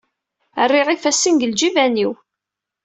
Rriɣ ifassen deg lǧiban-iw.